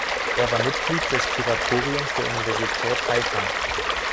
Er war Mitglied des Kuratoriums der Universität Haifa.